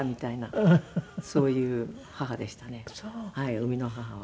生みの母は。